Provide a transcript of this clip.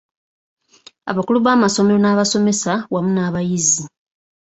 Abakulu b’amasomero n’abasomesa wamu n’abayizi